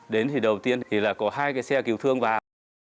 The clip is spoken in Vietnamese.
đến thì đầu tiên thì là có hai cái xe cứu thương vào